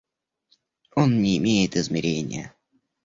Он не имеет измерения.